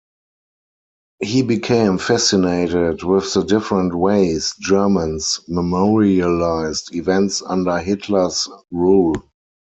He became fascinated with the different ways Germans memorialized events under Hitler's rule.